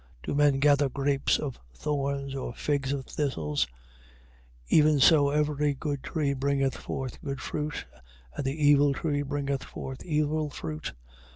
Do men gather grapes of thorns, or figs of thistles? 7:17. Even so every good tree bringeth forth good fruit, and the evil tree bringeth forth evil fruit.